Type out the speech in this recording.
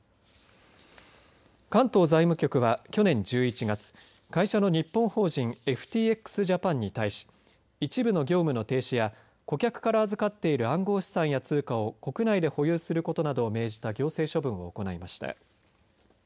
関東財務局は去年１１月会社の日本法人ＦＴＸジャパンに対し一部の業務の停止や顧客から預かっている暗号資産や通貨を国内で保有することなどを命じた行政処分を行いました。